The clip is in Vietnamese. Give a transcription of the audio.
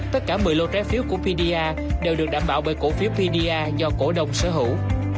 tất cả một mươi lô trái phiếu của pdr đều được đảm bảo bởi cổ phiếu pdr do cổ đồng sở hữu